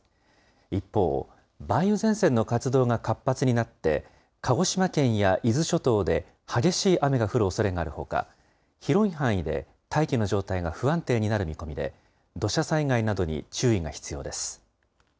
一方、梅雨前線の活動が活発になって、鹿児島県や伊豆諸島で激しい雨が降るおそれがあるほか、広い範囲で大気の状態が不安定になる見込みで、土砂災害などに注意が必要です。